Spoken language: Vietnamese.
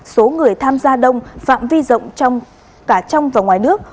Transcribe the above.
số người tham gia đông phạm vi rộng trong cả trong và ngoài nước